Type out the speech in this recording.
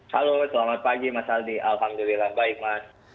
halo selamat pagi mas aldi alhamdulillah baik mas